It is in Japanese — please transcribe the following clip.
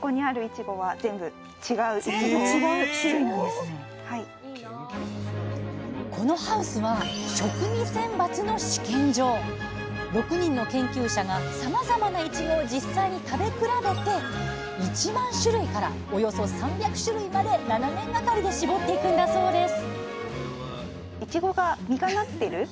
すごい！このハウスは６人の研究者がさまざまないちごを実際に食べ比べて１万種類からおよそ３００種類まで７年がかりで絞っていくんだそうです